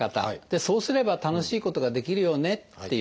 そうすれば楽しいことができるよねっていうこと。